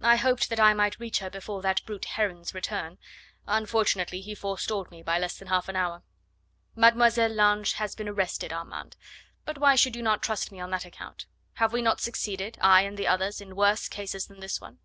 I hoped that I might reach her before that brute Heron's return; unfortunately he forestalled me by less than half an hour. Mademoiselle Lange has been arrested, Armand; but why should you not trust me on that account? Have we not succeeded, I and the others, in worse cases than this one?